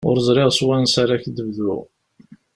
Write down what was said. Ur ẓriɣ s wansa ara ak-d-bduɣ.